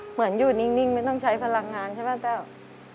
เหมือนอยู่นิ่งไม่ต้องใช้พลังงานใช่ป่ะเจ้า